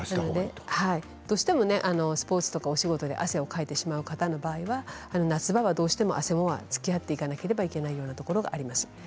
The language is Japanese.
どうしてもスポーツとかお仕事で汗をかいてしまう場合は、夏場どうしてもあせもとつきあっていかなければいけないところがあります。